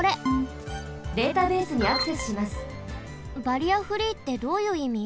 バリアフリーってどういういみ？